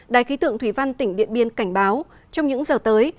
đài khí tượng thủy văn tỉnh điện biên cảnh báo trong những giờ tới